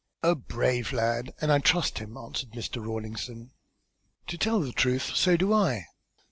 "A brave lad, and I trust him," answered Mr. Rawlinson. "To tell the truth, so do I.